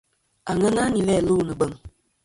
Àŋena nɨ̀n læ lu nɨ̀ bèŋ.